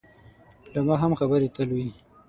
له ما هم خبرې تل وي.